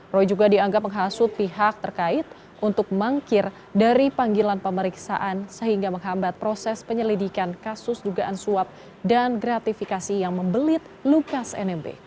roy juga dianggap menghasut pihak terkait untuk mangkir dari panggilan pemeriksaan sehingga menghambat proses penyelidikan kasus dugaan suap dan gratifikasi yang membelit lukas nmb